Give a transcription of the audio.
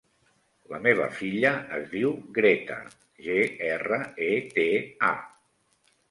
La meva filla es diu Greta: ge, erra, e, te, a.